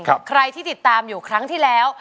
ใครที่ติดตามอยู่ครั้งที่แล้ว